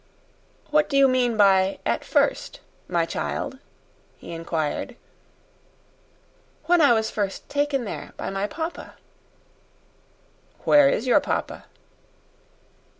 "What do you mean by 'At first,' my child?" he inquired. "When I was first taken there by my papa." "Where is your papa?"